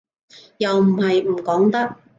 又唔係唔講得